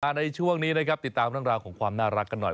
ในช่วงนี้นะครับติดตามเรื่องราวของความน่ารักกันหน่อย